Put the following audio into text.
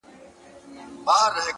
o خو هغې دغه ډالۍ ـ